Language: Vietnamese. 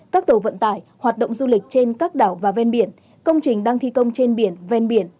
các tàu vận tải hoạt động du lịch trên các đảo và ven biển công trình đang thi công trên biển ven biển